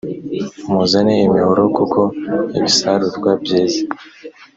muzane imihoro kuko ibisarurwa byeze.